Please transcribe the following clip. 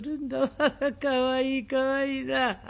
ハハハッかわいいかわいいなあ」。